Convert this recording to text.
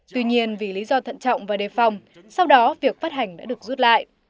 tuy nhiên vì lý do thận trọng và đề phòng sau đó việc phát hành đã được rút lại